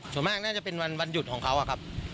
ส่วนมากน่าจะเป็นวันหยุดของเขาอะครับ